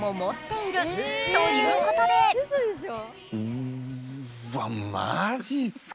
うっわマジすか？